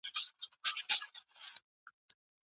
تاسو باید د کمپيوټر پوهنې له زیانونو هم خبر اوسئ.